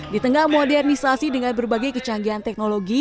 di tengah modernisasi dengan berbagai kecanggihan teknologi